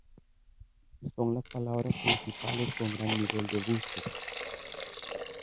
Son las palabras principales con gran nivel de búsqueda.